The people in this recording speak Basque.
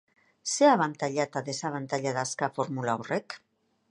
Zer abantaila eta desabantaila dauzka formula horrek?